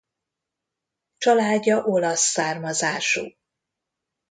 Családja olasz származású.